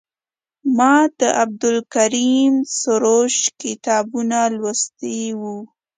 ما د عبدالکریم سروش کتابونه لوستي وو.